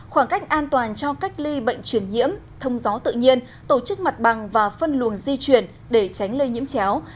khoảng cách an toàn cho cách ly bệnh truyền nhiễm thông gió tự nhiên tổ chức mặt bằng và phân luồng di chuyển để tránh lây nhiễm chéo